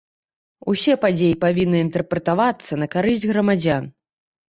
Усе падзеі павінны інтэрпрэтавацца на карысць грамадзян.